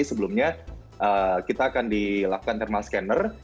sebelumnya kita akan dilakukan thermal scanner